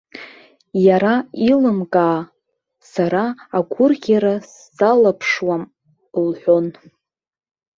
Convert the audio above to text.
Иара илымкаа, сара агәырӷьара сзалаԥшуам лҳәон.